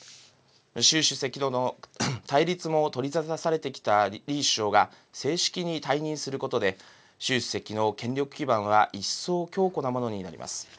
習主席との対立も取り沙汰されてきた李首相が正式に退任することで、習主席の権力基盤は一層強固なものになります。